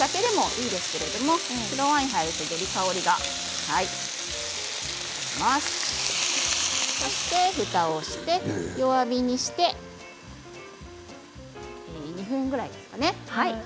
お酒でもいいですけど白ワインだとより香りがそして、ふたをして弱火にして２分ぐらいですかね